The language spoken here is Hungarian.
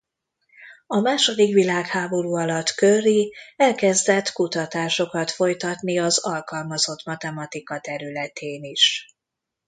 A második világháború alatt Curry elkezdett kutatásokat folytatni az alkalmazott matematika területén is.